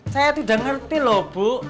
saya tuh udah ngerti loh bu